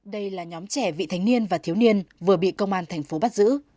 đây là nhóm trẻ vị thanh niên và thiếu niên vừa bị công an tp bắt giữ